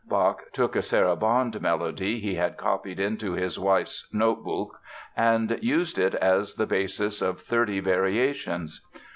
Bach took a Sarabande melody he had copied into his wife's Notenbuch and used it as the basis of thirty variations.